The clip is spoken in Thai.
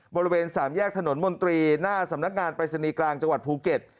บริเวณสามแยกถนนมนตรีหน้าสำนักงานปรายศนีย์กลางจังหวัดภูเก็ต